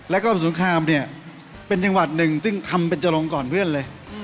แล้วก็สงครามเนี่ยเป็นจังหวัดหนึ่งซึ่งทำเป็นจรงก่อนเพื่อนเลย